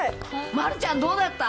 丸ちゃん、どうだった？